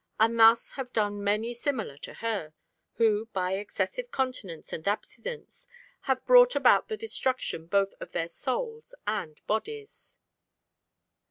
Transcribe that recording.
And thus have done many similar to her, who by excessive continence and abstinence have brought about the destruction both of their souls and bodies."